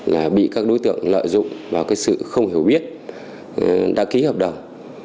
là bị các đối tượng lợi dụng vào cái sự không hiểu biết đã ký hợp đồng